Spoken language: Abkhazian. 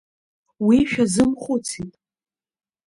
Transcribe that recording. Уи шәазымхәыцит!